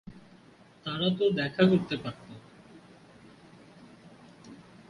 তারা তো দেখা করতে পারত।